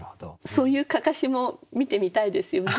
そういう案山子も見てみたいですよね。